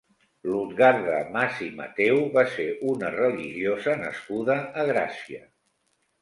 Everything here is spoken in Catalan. Lutgarda Mas i Mateu va ser una religiosa nascuda a Gràcia.